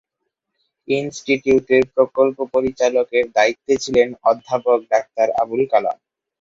ইনস্টিটিউটের প্রকল্প পরিচালকের দায়িত্বে ছিলেন অধ্যাপক ডাক্তার আবুল কালাম।